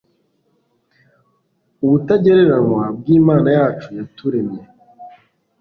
ubutagereranywa bw imana yacu yaturemye